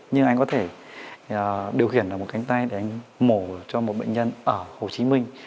nhưng anh có thể điều khiển ở một cánh tay để anh mổ cho một bệnh nhân ở hồ chí minh